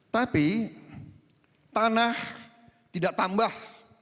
tapi tanah tidak tambah